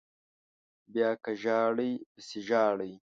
بیا که ژاړئ پسې ژاړئ